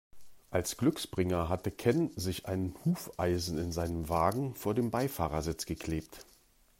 Als Glücksbringer hatte Ken sich ein Hufeisen in seinem Wagen vor den Beifahrersitz geklebt.